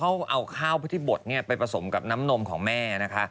เขาเอาข้าวพุทธิบดไปผสมกับน้ำนมของแม่นะคะ